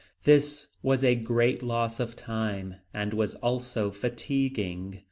This was a great loss of time, and was also very fatiguing.